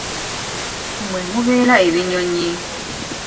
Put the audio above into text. Mwe mubeera ebinyonyi.